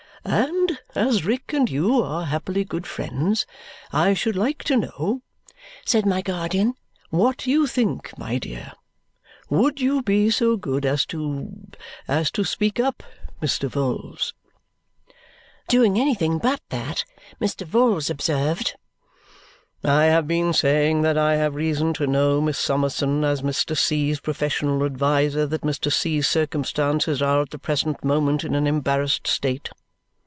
"And as Rick and you are happily good friends, I should like to know," said my guardian, "what you think, my dear. Would you be so good as to as to speak up, Mr. Vholes?" Doing anything but that, Mr. Vholes observed, "I have been saying that I have reason to know, Miss Summerson, as Mr. C.'s professional adviser, that Mr. C.'s circumstances are at the present moment in an embarrassed state.